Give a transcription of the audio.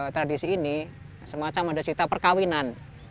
tradisi ini semacam ada cerita perkawinan